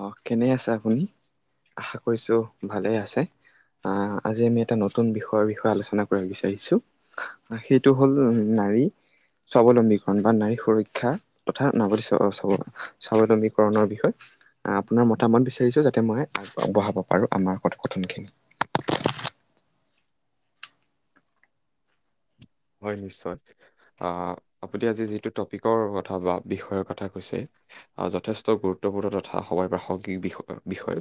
অ' কেনে আছে আপুনি? আশা কৰিছো ভালে আছে। আ আজি আমি এটা নতুন বিষয়ৰ বিষয়ে আলোচনা কৰিব বিচাৰিছো। সেইটো হ'ল নাৰী স্বাৱলম্বীকৰণ বা নাৰীৰ সুৰক্ষা তথা [unintelligible] স্বাৱলম্বীকৰণৰ বিষয় আপোনাৰ মতামত বিচাৰিছো যাতে মই আগবঢ়াব পাৰো আমাৰ কথ-কথনখিনি। হয় নিশ্চয়। আ আপুনি আজি যিটো টপিকৰ কথা বা বিষয়ৰ কথা কৈছে, যথেষ্ট গুৰুত্বপূৰ্ণ তথা সময় প্ৰাসংগিক বিষয়।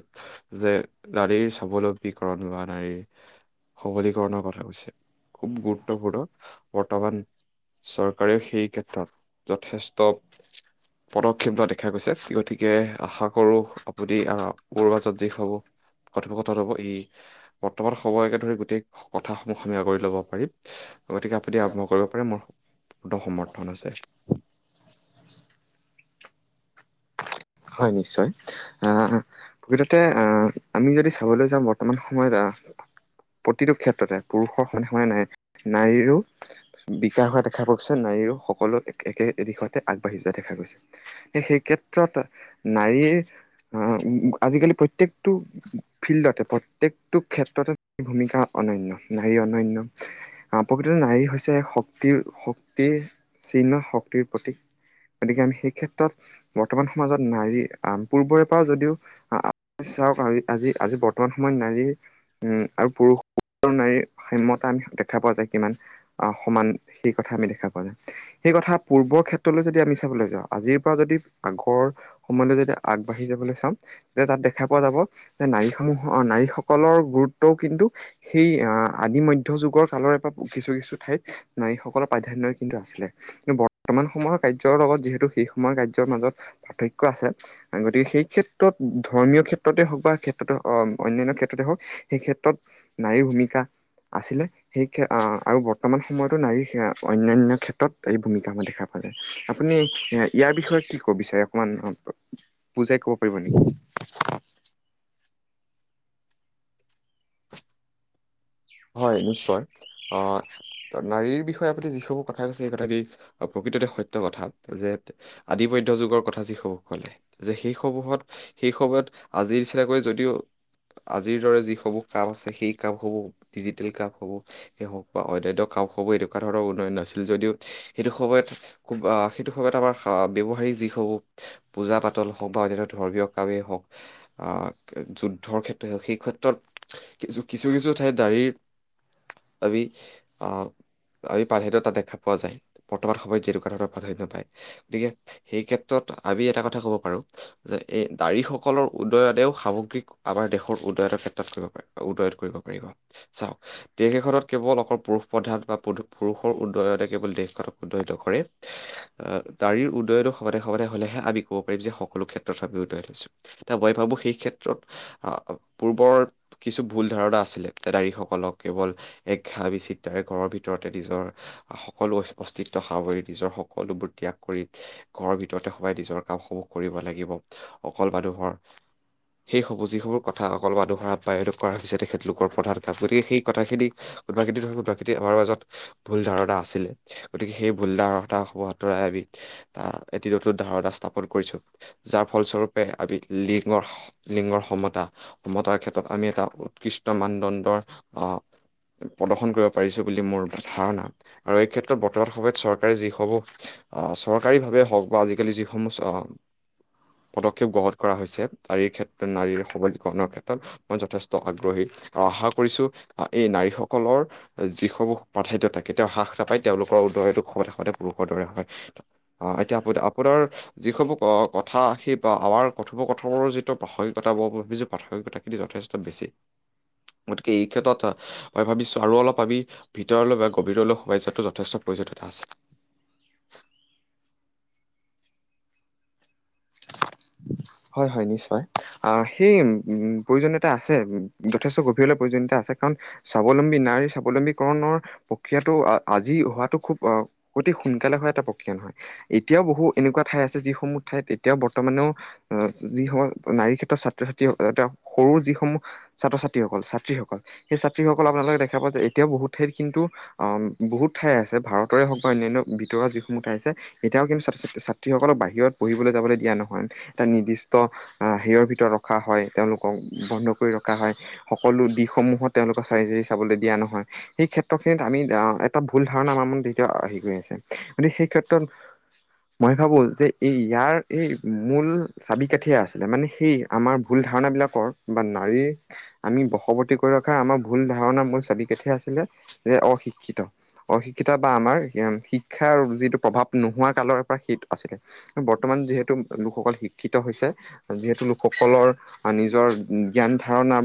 যে নাৰীৰ স্বাৱলম্বীকৰণ বা নাৰীৰ সবলীকৰণৰ কথা কৈছে। খুব গুৰুত্বপূৰ্ণ বৰ্তমান, চৰকাৰেও সেইক্ষেত্ৰত যথেষ্ট পদক্ষেপ লোৱা দেখা গৈছে। গতিকে আশা কৰো, আপুনি আ [unintelligible] যি হ'ব, কথোপকথন হ'ব, এই বৰ্তমান সময়কে ধৰি গোটেই কথাসমূহ আমি সাঙুৰি ল'ব পাৰিম। গতিকে আপুনি আৰম্ভ কৰিব পাৰে মোৰ, পূৰ্ণ সমৰ্থন আছে। হয় নিশ্চয়। প্ৰকৃততে আমি যদি চাবলৈ যাওঁ, বৰ্তমান সময়ত প্ৰতিটো ক্ষেত্ৰতে পুৰুষৰ সমানে-সমানে নাৰীৰো বিকাশ হোৱা দেখা পোৱা গৈছে। নাৰীৰো সকলো এক-একে দিশতে আগবাঢ়ি যোৱা দেখা গৈছে। সেইক্ষেত্ৰত নাৰীৰ আ আজিকালি প্ৰত্যেকটো ফিল্ডতে, প্ৰত্যেকটো ক্ষেত্ৰতে ভূমিকা অন্যান্য। নাৰী অন্যান্য। প্ৰকৃততে নাৰী হৈছে শক্তিৰ-শক্তিৰ চিহ্ন, শক্তিৰ প্ৰতীক। গতিকে আমি সেইক্ষেত্ৰত বৰ্তমান মাজত নাৰী পূৰ্বৰে পৰা যদিও, চাওক আজি-আজি বৰ্তমান সময়ত নাৰীৰ উম আৰু পুৰুষ আৰু নাৰীৰ [unintelligible] দেখা পোৱা যায়, কিমান? আ সমান সেইকথা আমি দেখা পোৱা যায়। সেইকথা পূৰ্বৰ ক্ষেত্ৰলৈ যদি আমি চাবলৈ যাওঁ, আজিৰ পৰা যদি আগৰ সময়লৈ যদি আগবাঢ়ি যাবলৈ চাওঁ, তেতিয়া তাত দেখা পোৱা যাব যে, নাৰীসমূহৰ-নাৰীসকলৰ গুৰুত্বও কিন্তু সেই আহ আদি-মধ্যযুগৰ কালৰে পৰা কিছু-কিছু ঠাইত নাৰীসকলৰ প্ৰাধান্য কিন্তু আছিলে। কিন্তু বৰ্তমান সময়ৰ কাৰ্যৰ লগত যিহেতু সেই সময়ৰ কাৰ্যৰ মাজত পাৰ্থক্য আছে। গতিকে সেইক্ষেত্ৰত, ধৰ্মীয় ক্ষেত্ৰতে হওক বা ক্ষেত্ৰতে অন্যান্য ক্ষেত্ৰতে হওক, সেইক্ষেত্ৰত নাৰীৰ ভূমিকা আছিলে। সেই আৰু বৰ্তমান সময়তো নাৰীৰ অন্যান্য ক্ষেত্ৰত এই ভূমিকা আমাৰ দেখা পালে। আপুনি ইয়াৰ বিষয়ে কি ক'ব বিচাৰে? অকমান বুজাই ক'ব পাৰিব নেকি? হয় নিশ্চয়। আ নাৰীৰ বিষয়ে আপুনি যিসমূহ কথা কৈছে সেইটো কথা প্ৰকৃততে সত্য কথা। যে আদি-মধ্যযুগৰ কথা যিসমূহ ক'লে যে সেইসমূহত, সেইসময়ত আজিৰ নিচিনাকৈ যদিও, আজিৰ দৰে যিসমূহ কাম আছে সেই কামসমূহ ডিজিটেল কামসমূহ [unintelligible] বা অন্যান্য কাম হ'ব এনেকুৱা ধৰণৰ উন্নয়ন নাছিল যদিও, সেইটো সময়ত খুব সেইটো সময়ত আমাৰ ব্যৱহাৰিক যিসমূহ পূজা-পাতল হওক বা অন্যান্য ধৰ্মীয় কামেই হওক, যুদ্ধৰ ক্ষেত্ৰই হওক, সেইক্ষেত্ৰত কিছু-কিছু ঠাইত নাৰীৰ আমি, আ আমি প্ৰাধান্যতা দেখা পোৱা যায়। বৰ্তমান সময়ত যেনেকুৱা ধৰণৰ প্ৰাধান্য পায়। গতিকে সেইক্ষেত্ৰত আমি এটা কথা ক'ব পাৰো, যে এই নাৰীসকলৰ উন্নয়নেও সামগ্ৰীক আমাৰ দেশৰ উন্নয়ন ক্ষেত্ৰত কৰিব পাৰে, উন্নয়ন কৰিব পাৰিব। চাওক, দেশ এখনত কেৱল অকল পুৰুষ প্ৰধান বা পুৰুষৰ উন্নয়নে কেৱল দেশখনক উন্নয়ন নকৰে। নাৰীৰ উন্নয়নো সমানে-সমানে হ'লেহে আমি ক'ব পাৰিম যে সকলো ক্ষেত্ৰত আমি উন্নয়ন হৈছোঁ। এতিয়া মই ভাবো সেইক্ষেত্ৰত পূৰ্বৰ কিছু ভুল ধাৰণা আছিলে। নাৰীসকলক কেৱল এক বিচিত্ৰাৰে ঘৰৰ ভিতৰতে নিজৰ সকলো অস্তিত্ব সামৰি, নিজৰ সকলোবোৰ ত্যাগ কৰি, ঘৰৰ ভিতৰতে সোমাই নিজৰ কামসমূহ কৰিব লাগিব। অকল মানুহৰ, সেইসমূহ যিসমূহ কথা অকল মানুহৰ [unintelligible] তেখেতলোক কৰ প্ৰধান কাম, গতিকে সেই কথাখিনি কোনোবা-কোনোবাখিনিত আমাৰ মাজত ভুল ধাৰণা আছিলে। গতিকে সেই ভুলধাৰণাসমূহ আঁতৰাই আমি এটি নতুন ধাৰণা স্থাপন কৰিছোঁ। যাৰ ফলস্বৰূপে আমি লিঙৰ-লিঙৰ সমতা-সমতাৰ ক্ষেত্ৰত আমি এটা উৎকৃষ্ট মানদণ্ডৰ আ প্ৰদৰ্শন কৰিব পাৰিছো বুলি মোৰ ধাৰণা। আৰু এইক্ষেত্ৰত বৰ্তমান সময়ত চৰকাৰে যিসমূহ আ চৰকাৰীভাৱে হওক বা আজিকালি যিসমূহ আ পদক্ষেপ গ্ৰহণ কৰা হৈছে । নাৰীৰ ক্ষেত্ৰত, নাৰীৰ সবলীকৰণৰ ক্ষেত্ৰত মই যথেষ্ট আগ্ৰহী আৰু আশা কৰিছোঁ, এই নাৰীসকলৰ যিসমূহ প্ৰাধান্যতা কেতিয়াও হ্ৰাস নাপায়, তেওঁলোকৰ উদয়ন সদায় পুৰুষৰ দৰে হয়। আ এতিয়া আ-আপোনাৰ যিসমূহ আ কথা সি বা আমাৰ কথোপকথনৰ যিটো প্ৰাাসংগিকতা, ভাবিছো প্ৰাসংগিকতাখিনি যথেষ্ট বেছি গতিকে এইক্ষেত্ৰত মই ভাবিছো আৰু অলপ আমি ভিতৰলৈ বা গভীৰলৈ সোমাই যোৱাটো যথেষ্ট প্ৰয়োজনীয়তা আছে। হয় হয় নিশ্চয়। আ সেই, উম প্ৰয়োজনীয়তা আছে। যথেষ্ট গভীৰলৈ প্ৰয়োজনীয়তা আছে, কাৰণ স্বাৱলম্বী নাৰীৰ স্বাৱলম্বীকৰণৰ প্ৰক্ৰিয়াটো আজি হোৱাটো খুব অতি সোনকালে হোৱা এটা প্ৰক্ৰিয়া নহয় । এতিয়াও বহু এনেকুৱা ঠাই আছে যিসমূহ ঠাইত এতিয়াও বৰ্তমানেও আ যিসময়ত নাৰীক্ষেত্ৰত ছাত্ৰ-ছাত্ৰী যাতে, সৰু যিসমূহ ছাত্ৰ-ছাত্ৰীসকল, ছাত্ৰীসকল। সেই ছাত্ৰীসকলক আপোনালোকে দেখা পায় যে এতিয়াও বহুত ঠাইত কিন্তু, আ বহুত ঠাই আছে ভাৰতেৰে হওক বা অন্যান্য ভিতৰৰ যিসমূহ ঠাই আছে, এতিয়াও কিন্তু ছাত্ৰীসকলক বাহিৰত পঢ়িবলৈ যাবলৈ দিয়া নহয়। এটা নিৰ্দিষ্ট হেৰিয়ৰ ভিতৰত ৰখা হয়। তেওঁলোকক বন্ধ কৰি ৰখা হয়, সকলো দিশসমূহত তেওঁলোকৰ চালি-জাৰী চাবলৈ দিয়া নহয়। সেই ক্ষেত্ৰখিনিত আমি এটা ভুল ধাৰণা আমাৰ মনত এতিয়া হেৰি কৰি আছে। গতিকে সেইক্ষেত্ৰত মই ভাবো যে এই ইয়াৰ এই মূল চাবিকাঠিয়ে আছিলে, মানে সেই আমাৰ ভুল ধাৰণাবিলাকৰ বা নাৰী‍ক আমি বশৱৰ্তী কৰি ৰখাৰ আমাৰ ভুল ধাৰণা মূল চাবিকাঠিয়ে আছিলে যে অশিক্ষিত। অশিক্ষিত বা আমাৰ শিক্ষাৰ যিটো প্ৰভাৱ নোহোৱা কালৰ পৰা সেই আছিলে বৰ্তমান যিহেতু লোকসকল শিক্ষিত হৈছে, যিহেতু লোকসকলৰ নিজৰ জ্ঞান-ধাৰণা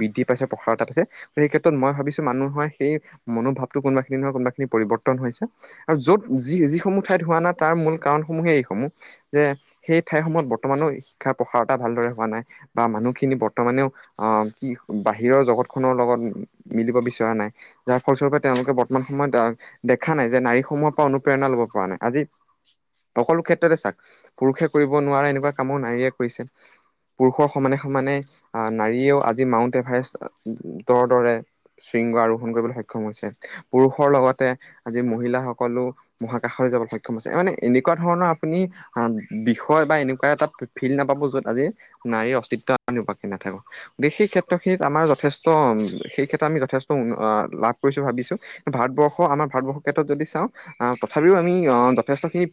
বৃদ্ধি পাইছে, প্ৰসাৰতা পাইছে। আৰু সেইক্ষেত্ৰত মই ভাবিছোঁ মানুহৰ সেই মনোভাৱটো কোনোবাখিনি নহয় কোনোবাখিনি পৰিৱৰ্তন হৈছে আৰু য'ত যি যিসমূহ ঠাইত হোৱা নাই তাৰ মূল কাৰণসমূহে এইসমূহ যে সেই ঠাই সমূহত বৰ্তমানেও শিক্ষাৰ প্ৰসাৰতা ভালদৰে হোৱা নাই বা মানুহখিনি বৰ্তমানেও আহ কি বাহিৰৰ জগতখনৰ লগত মিলিব বিচৰা নাই। যাৰ ফলস্বৰূপে তেওঁলোকে বৰ্তমান সময়ত আহ দেখা নাই যে নাৰীসমূহৰ পৰা অনুপ্ৰেৰণা ল'ব পৰা নাই। আজি সকলো ক্ষেত্ৰতে চাওক পুৰুষে কৰিব নোৱাৰে এনেকুৱা কামো নাৰীয়ে কৰিছে। পুৰুষৰ সমানে সমানে নাৰীয়েও আজি মাউণ্ট এভাৰেষ্টৰ দৰে শৃংগ আৰোহণ কৰিবলৈ সক্ষম হৈছে। পুৰুষৰ লগতে আজি মহিলাসকলো মহাকাশলৈ যাবলৈ সক্ষম হৈছে। মানে এনেকুৱা ধৰণৰ আপুনি বিষয় বা এনেকুৱা এটা ফিল্ড নাপাব য'ত আজি নাৰীৰ অস্তিত্ব [unintelligible] নাথাকক। গতিকে সেই ক্ষেত্ৰখিনিত আমাৰ যথেষ্ট সেই ক্ষেত্ৰত আমি যথেষ্ট লাভ কৰিছোঁ ভাবিছোঁ। ভাৰতবৰ্ষ আমাৰ ভাৰতবৰ্ষৰ ক্ষেত্ৰত যদি চাওঁ আহ তথাপিও আমি আহ যথেষ্টখিনি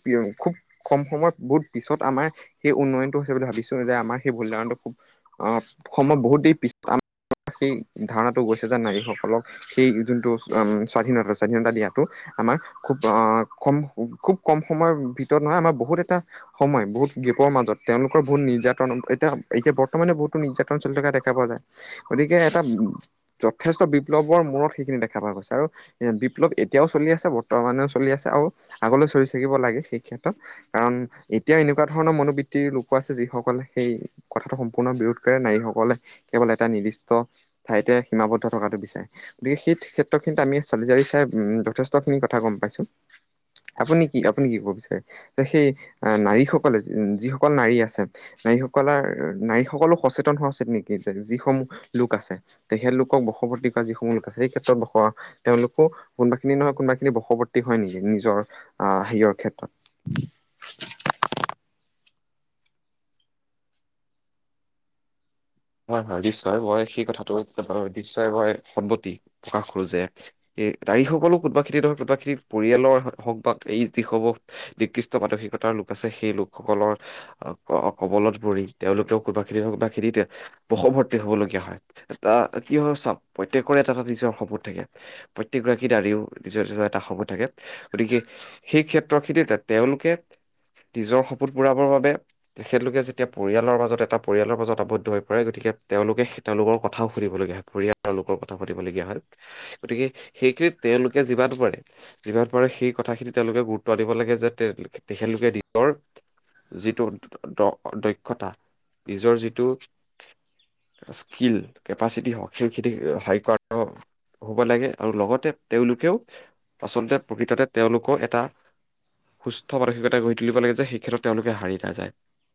খুব কম সময়ত বহুত পিছত আমাৰ সেই উন্নয়নটো হৈছে বুলি ভাবিছোঁ যে আমাৰ সেই ভুল ধাৰণটো খুব অসমত বহুত দেৰি পিছত সেই ধাৰণাটো গৈছে যে নাৰীসকলক সেই যোনটো স্বাধীনতা স্বাধীনতা দিয়াটো আমাৰ খুব কম খুব কম সময়ৰ ভিতৰত নহয় আমাৰ বহুত এটা সময় বহুত গেপৰ মাজত তেওঁলোকৰ বহুত নিৰ্যাতন এতিয়া এতিয়া বৰ্তমানে বহুতো নিৰ্যাতন চলি থকা দেখা পোৱা যায়। গতিকে এটা যথেষ্ট বিপ্লৱৰ মূৰত সেইখিনি দেখা পোৱা গৈছে আৰু বিপ্লৱ এতিয়াও চলি আছে, বৰ্তমানেও চলি আছে আৰু আগলৈ চলি থাকিব লাগে সেইক্ষেত্ৰত কাৰণ এতিয়াও এনে এনেকুৱা ধৰণৰ মনোবৃত্তিৰ লোকো আছে যিসকলে সেই কথাটো সম্পূৰ্ণ বিৰোধ কৰে নাৰীসকলে কেৱল এটা নিৰ্দিষ্ট ঠাইতে সীমাবদ্ধ থকাটো বিচাৰে। গতিকে সেইক্ষেত্ৰত কিন্তু আমি চালি-জাৰি চাই উম যথেষ্টখিনি কথা গম পাইছোঁ। আপুনি কি, আপুনি কি ক'ব বিচাৰে যে সেই নাৰী যিসকল নাৰী আছে, নাৰীসকলৰ নাৰীসকলো সচেতন হোৱা উচিত নেকি? যে যিসমূহ লোক আছে, তেখেতলোকক বশৱৰ্তী কৰা যিসমূহ লোক আছে সেই ক্ষেত্ৰত বস তেওঁলোকো কোনোবাখিনি নহয় কোনোবাখিনি বশৱৰ্তী হয় নেকি নিজৰ আহ হেৰিয়ৰ ক্ষেত্ৰত? হয়, হয়, নিশ্চয়। মই সেই কথাটো নিশ্চয় মই সন্মতি প্ৰকাশ কৰোঁ যে, এই নাৰীসকলো কোনোবাখিনিত নহয় কোনোবাখিনিত পৰিয়ালৰ হওক বা এই যিসমূহ নিকৃষ্ট মানসিকতাৰ লোক আছে সেই লোকসকলৰ কবলত পৰি তেওঁলোকেও কোনোবাখিনিত [unintelligible] বশৱৰ্তী হ'বলগীয়া হয়। এটা কি হয় চাওক, প্ৰত্যেকৰে এটা এটা নিজৰ সপোন থাকে। প্ৰত্যেকগৰাকী নাৰীও নিজৰ‌ নিজৰ এটা সপোন থাকে। গতিকে, সেইক্ষেত্ৰখিনিতে তেওঁলোকে নিজৰ সপোন পূৰাবৰ বাবে তেখেতলোকে যেতিয়া পৰিয়ালৰ মাজত এটা পৰিয়ালৰ মাজত আবদ্ধ হৈ পৰে গতিকে, তেওঁলোকে তেওঁলোকৰ কথাও শুনিবলগীয়া হয়। [unintelligible] কথা পাতিবলগীয়া হয়। গতিকে সেইখিনিত তেওঁলোকে যিমান পাৰে, যিমান পাৰে সেই কথাখিনিত তেওঁলোকে গুৰুত্ব দিব লাগে যে তেখেতলোকে নিজৰ যিটো দক্ষতা, নিজৰ যিটো স্কীল, কেপাচিটি হওক সেইখিনি [unintelligible] হ'ব লাগে আৰু লগতে তেওঁলোকেও আচলতে প্ৰকৃততে তেওঁলোকৰ এটা সুস্থ মানসিকতা গঢ়ি তুলিব লাগে যে সেই ক্ষেত্ৰত তেওঁলোকে হাৰি নাযায়।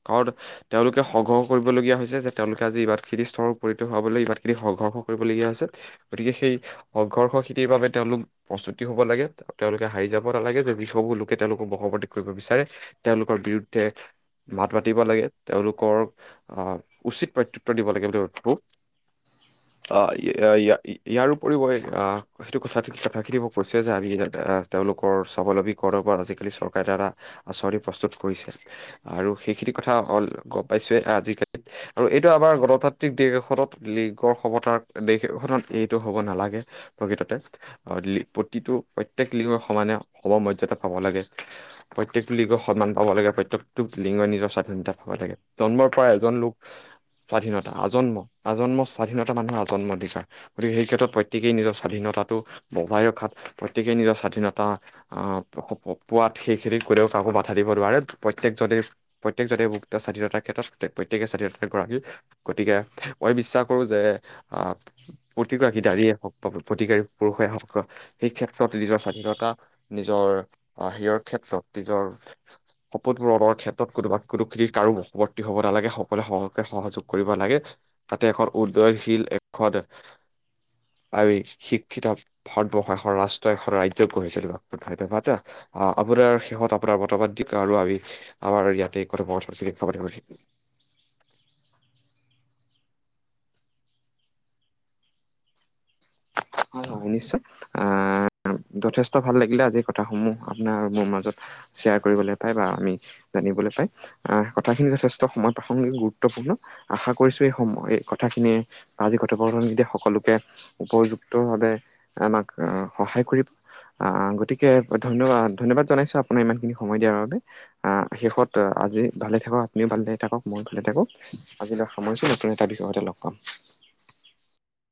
কাৰণ তেওঁলোকে সংগ্ৰহ কৰিবলগীয়া হৈছে যে তেওঁলোকে আজি ইমানখিনি স্তৰত পৰিণত হোৱাবলে ইমানখিনি সংঘৰ্ষ কৰিবলগীয়া হৈছে। গতিকে সেই সংঘৰ্ষখিনিৰ বাবে তেওঁলোক প্ৰস্তুতি হ'ব লাগে, তেওঁলোকে হাৰি যাব নালাগে যে যিসমূহলোকে তেওঁলোকক বশৱৰ্তী কৰিব বিচাৰে তেওঁলোকৰ বিৰুদ্ধে মাত মাতিব লাগে, তেওঁলোকৰ আহ উচিত প্ৰত্যুত্তৰ দিব লাগে বুলি [unintelligible] ইয়াৰ উপৰিও মই [unintelligible] তেওঁলোকৰ স্বাৱলম্বীকৰণৰ ওপৰত আজিকালি চৰকাৰে এটা-এটা আঁচনি প্ৰস্তুত কৰিছে। আৰু সেইখিনি কথা গম পাইছোৱে আজিকালি আৰু এইটো আমাৰ গণতান্ত্ৰিক দেশ এখনত লিংগৰ সমতাৰ দেশ এখনত এইটো হ'ব নালাগে। প্ৰকৃততে, প্ৰতিটো প্ৰত্যেক লিংগক সমানে সম-মৰ্যদা পাব লাগে। প্ৰত্যেক লিংগক সন্মান পাব লাগে, প্ৰত্যেকটো লিংগই নিজৰ স্বাধীনতা পাব লাগে, জন্মৰ পৰাই জনলোক স্বাধীনতা আজন্ম, আজন্ম স্বাধীনতা মানুহৰ আজন্ম অধিকাৰ। গতিকে সেইক্ষেত্ৰত প্ৰত্যেকেই নিজৰ স্বাধীনতাটো বজাই ৰখাত প্ৰত্যেকেই নিজৰ স্বাধীনতা আহ পোৱাত সেইখিনি কৰেও কাকো বাধা দিব নোৱাৰে, প্ৰত্যেকজনেই প্ৰত্যেকজনে মুক্ত স্বাধীনতাৰ ক্ষেত্ৰত প্ৰত্যেকে স্বাধীনতাৰগৰাকী, গতিকে মই বিশ্বাস কৰো যে, আহ প্ৰতিগৰাকী নাৰীয়ে হওক বা প্ৰতিকাৰী পুৰুষে হওক সেইক্ষেত্ৰত নিজৰ স্বাধীনতা নিজৰ হেয়ৰ ক্ষেত্ৰত নিজৰ শপতবোৰৰ ক্ষেত্ৰত কোনোবা কোনোখ কাৰোৰ। হ'ব নালাগে সকলোৱে সহে-সহযোগ কৰিব লাগে। তাতে এখন উদয়নশীল এখন, আমি শিক্ষিত ভাৰতবৰ্ষ এখন ৰাষ্ট্ৰ, এখন ৰাজ্য গঢ়িছিলো। ধন্যবাদ। আহ আপোনাৰ শেহত আপোনাৰ মতামত দি আৰু আমি আমাৰ ইয়াতে কথোপকথনখিনি হয় হয় নিশ্চয়। যথেষ্ট ভাল লাগিলে আজি কথাসমূহ আপোনাৰ-মোৰ মাজত শ্বেয়াৰ কৰিবলৈ পাই বা আমি জানিবলৈ পাই। কথাখিনি যথেষ্ট সময় প্ৰাসংগিক গুৰুত্বপূৰ্ণ, আশা কৰিছোঁ এই সম-এই কথাখিনিয়ে আজি কথোপকথন [unintelligible] সকলোকে উপযুক্ত যুক্তভাবে আমাক সহায় কৰিব, আহ গতিকে ধন্যবা-ধন্যবাদ জনাইছো আপোনাৰ ইমানখিনি সময় দিয়াৰ বাবে। শেষত আজি ভালে থাকক আপুনিও ভালে থাকক মই ভালে থাকো, আজিলৈ সামৰিছো নতুন এটা বিষয়ৰ সৈতে লগ পাম।